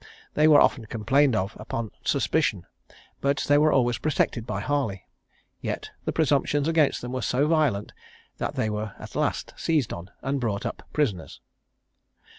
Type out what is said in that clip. They were often complained of upon suspicion, but they were always protected by Harley; yet the presumptions against them were so violent, that they were at last seized on, and brought up prisoners."